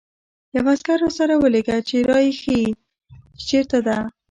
یو عسکر راسره ولېږه چې را يې ښيي، چې چېرته ده.